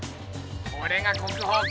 これが国宝か。